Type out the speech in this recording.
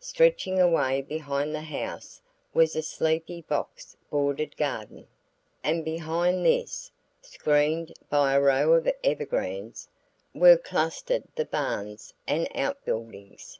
Stretching away behind the house was a sleepy box bordered garden, and behind this, screened by a row of evergreens, were clustered the barns and out buildings.